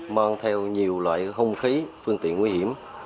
mang theo nhiều loại hung khí phương tiện nguy hiểm